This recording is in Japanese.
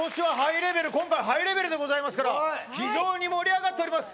今回ハイレベルでございますから非常に盛り上がっております。